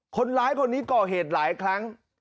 คนร้ายคนนี้ก่อเหตุหลายครั้ง